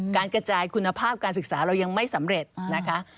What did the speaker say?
การกระจายคุณภาพการศึกษาเรายังไม่สำเร็จนะคะ